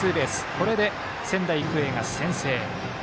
これで仙台育英が先制。